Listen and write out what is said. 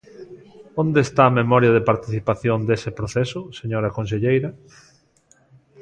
¿Onde está a memoria de participación dese proceso, señora conselleira?